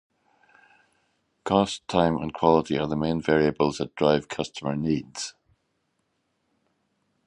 Cost, time and quality are the main variables that drive customer needs.